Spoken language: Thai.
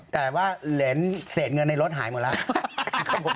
แต่ว่าเหรียญเศษเงินในรถหายหมดแล้ว